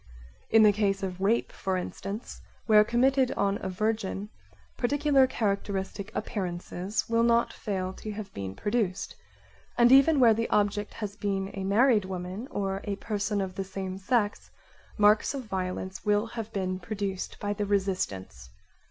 In the case of rape, for t instance, where committed on a virgin, particular characteristic appearances will not fail to have been produced, and even where the object has been a married woman or a person of' the same sex marks of violence will have been produced by the resistance.